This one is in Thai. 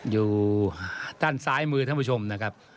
อยู่ด้านซ้ายมือท่านผู้ชมนะครับ